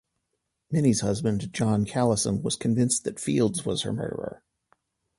Minnie's husband, John Callison, was convinced that Fields was her murderer.